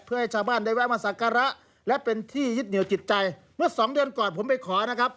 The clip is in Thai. เพื่อให้ชาวบ้านได้แวะมาสักการะและเป็นที่ยึดเหนียวจิตใจเมื่อสองเดือนก่อนผมไปขอนะครับ